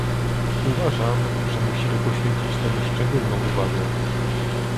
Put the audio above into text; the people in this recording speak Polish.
Uważam, że musimy poświęcić temu szczególną uwagę